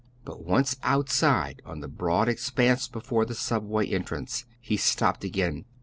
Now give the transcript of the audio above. But once outside on the broad expanse before the Subway entrance he stopped again.